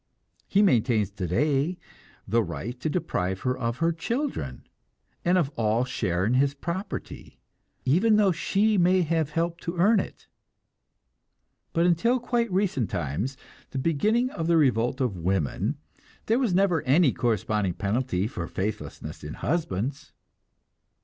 He maintains today the right to deprive her of her children, and of all share in his property, even though she may have helped to earn it. But until quite recent times, the beginning of the revolt of women, there was never any corresponding penalty for faithlessness in husbands.